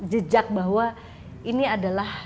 jejak bahwa ini adalah